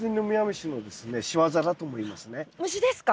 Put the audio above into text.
虫ですか？